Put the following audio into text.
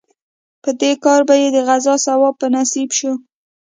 په دې کار به یې د غزا ثواب په نصیب شو.